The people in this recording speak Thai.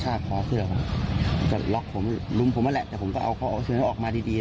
ค่าขอเสื้อผมก็ล็อกผมลุ้มผมแหละแต่ผมก็เอาเสื้อออกมาดี